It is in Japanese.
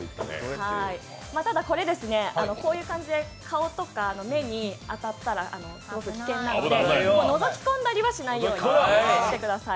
ただ、これ、こういう感じで顔とか目に当たったらすごく危険なので、のぞき込んだりはしないようにしてください。